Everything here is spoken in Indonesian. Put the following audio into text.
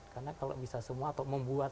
karena kalau bisa semua atau membuat